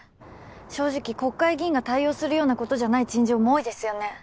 正直国会議員が対応するようなことじゃない陳情も多いですよね？